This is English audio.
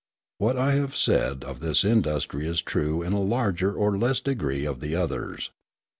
What I have said of this industry is true in a larger or less degree of the others.